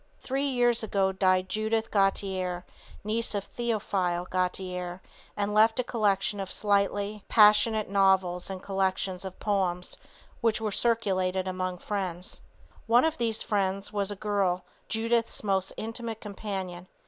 Three years ago died Judith Gautier, niece of Theophile Gautier, and left a collection of slightly er passionate novels and collections of poems which were circulated among friends. One of these friends was a girl, Judith's most intimate companion.